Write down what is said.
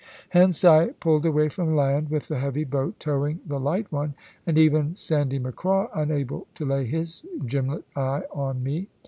Hence I pulled away from land, with the heavy boat towing the light one, and even Sandy Macraw unable to lay his gimlet eye on me.